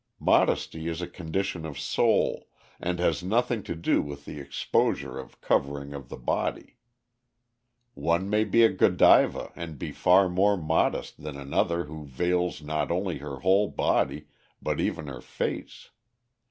Modesty is a condition of soul, and has nothing to do with the exposure or covering of the body. One may be a Godiva and be far more modest than another who veils not only her whole body but even her face.